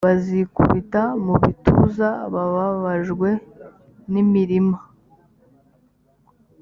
bazikubita mu bituza bababajwe n imirima